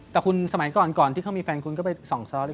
แต่คุณสมัยก่อนก่อนที่เขามีแฟนคุณก็ไปส่องซอส